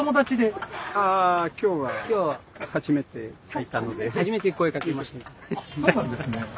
あっそうなんですね。